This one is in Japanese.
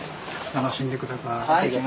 楽しんで下さい。